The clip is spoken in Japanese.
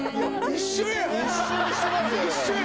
一緒やん！